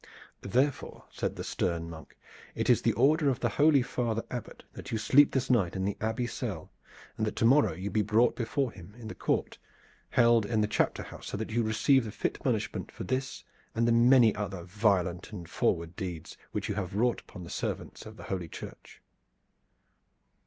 "Therefore," said the stern monk, "it is the order of the holy father Abbot that you sleep this night in the Abbey cell, and that to morrow you be brought before him at the court held in the chapter house so that you receive the fit punishment for this and the many other violent and froward deeds which you have wrought upon the servants of Holy Church.